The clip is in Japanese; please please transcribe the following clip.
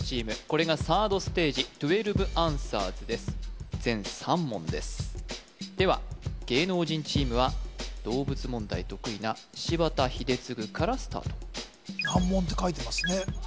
これがサードステージ１２アンサーズです全３問ですでは芸能人チームは動物問題得意な柴田英嗣からスタート難問って書いてますね・